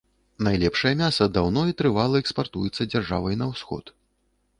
Найлепшае мяса даўно і трывала экспартуецца дзяржавай на ўсход.